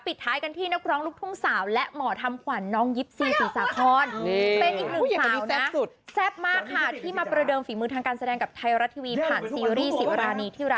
ปิดท้ายกันที่นกร้องลูกทุ่งสาวและหมอทำขวานน้องยิปซีศีรษะคร